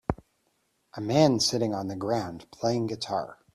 A man sitting on the ground playing guitar